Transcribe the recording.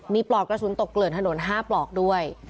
มีปลอกกระสุนตกเกลื่อนถนน๕ปลอกด้วย